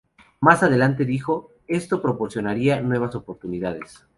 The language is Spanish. Más adelante dijo: "esto proporciona nuevas oportunidades".